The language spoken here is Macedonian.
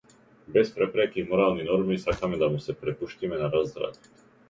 Без препреки и морални норми сакаме да му се препуштиме на развратот.